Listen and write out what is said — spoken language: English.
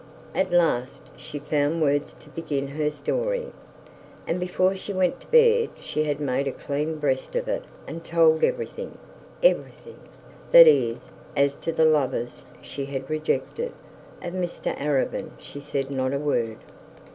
At last she found words to begin her story, and before she went to bed, she had made a clean breast of it and told everything everything, that is, as to the lovers she had rejected: of Mr Arabin she said not a word.